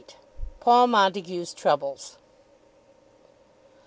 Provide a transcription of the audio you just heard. PAUL MONTAGUE'S TROUBLES.